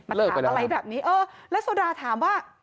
ถามอะไรแบบนี้เออแล้วโซดาถามว่า